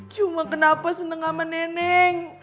cuma kenapa seneng sama neneng